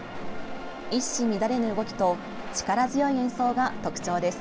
一糸乱れぬ動きと力強い演奏が特徴です。